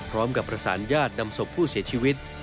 พร้อมกับประสานญาตินำศพผู้เสียชีวิต